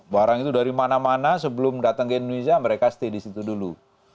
barang itu dari mana mana sebelum datang ke indonesia mereka stay di situ dulu